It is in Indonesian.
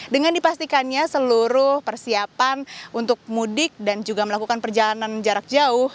dengan dipastikannya seluruh persiapan untuk mudik dan juga melakukan perjalanan jarak jauh